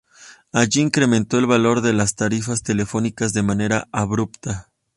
Allí incrementó el valor de las tarifas telefónicas de manera abrupta.